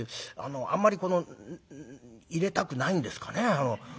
あんまり入れたくないんですかね。